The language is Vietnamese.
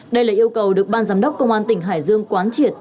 đây là yêu cầu được ban giám đốc công an tỉnh hải dương quán triệt